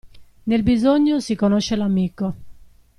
Nel bisogno si conosce l'amico.